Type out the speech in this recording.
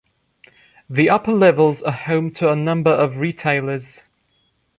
The upper levels are home to a number of retailers.